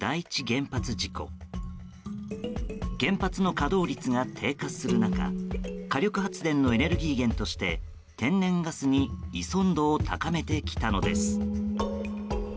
原発の稼働率が低下する中火力発電のエネルギー源として天然ガスに依存度を高めてきたのです。